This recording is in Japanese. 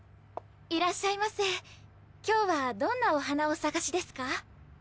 いらっしゃいませ今日はどんなお花をお探しですか？